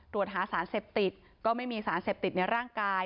ตรวจหาสารเสพติดก็ไม่มีสารเสพติดในร่างกาย